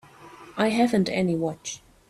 I haven't any watch.